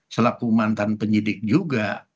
selaku mantan penyidik juga